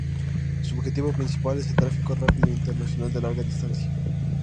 Su objetivo principal es el tráfico rápido internacional de larga distancia.